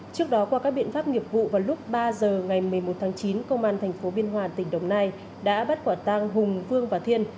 trước đó qua các biện pháp nghiệp vụ vào lúc ba giờ ngày một mươi một tháng chín công an tp biên hòa tỉnh đồng nai đã bắt quả tang hùng vương và thiên